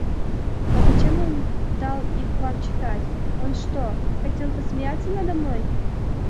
А зачем он дал их Вам читать, он что, хотел посмеяться надо мной?